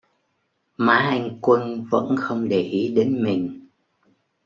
Má anh quân vẫn không để ý đến mình